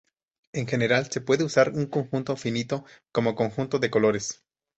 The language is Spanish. En general se puede usar un conjunto finito como conjunto de colores.